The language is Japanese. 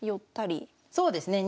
そうですね。